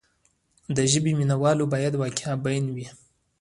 د ژبې مینه وال باید واقع بین وي.